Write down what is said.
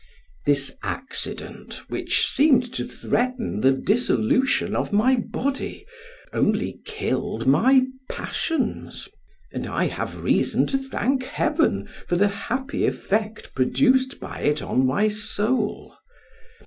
This accident, which seemed to threaten the dissolution of my body, only killed my passions, and I have reason to thank Heaven for the happy effect produced by it on my soul.